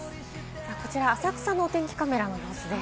こちら浅草の天気カメラの様子です。